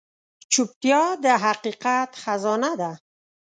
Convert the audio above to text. چوپتیا، د حقیقت خزانه ده.